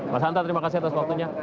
mas hanta terima kasih atas waktunya